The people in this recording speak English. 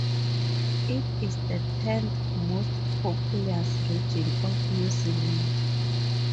It is the tenth most populous region of New Zealand.